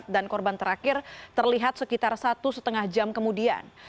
dan korban terakhir terlihat sekitar satu tiga puluh jam kemudian